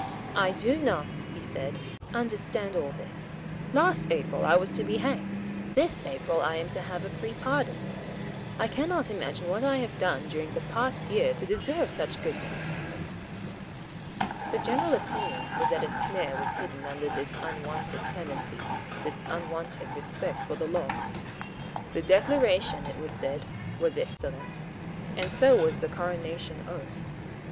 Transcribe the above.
"I do not," he said, "understand all this. Last April I was to be hanged. This April I am to have a free pardon. I cannot imagine what I have done during the past year to deserve such goodness." The general opinion was that a snare was hidden under this unwonted clemency, this unwonted respect for law. The Declaration, it was said, was excellent; and so was the Coronation oath.